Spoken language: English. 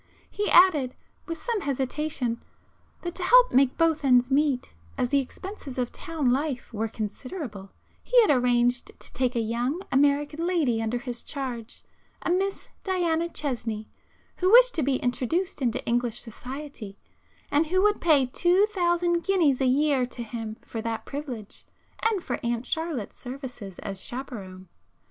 He added, with some hesitation, that to help make both ends meet, as the expenses of town life were considerable, he had arranged to take a young American lady under his charge, a Miss Diana Chesney, who wished to be introduced into English society, and who would pay two thousand guineas a year to him for that privilege, and for Aunt Charlotte's services as chaperône.